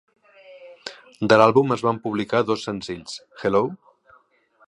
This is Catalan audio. De l'àlbum es van publicar dos senzills: Hello?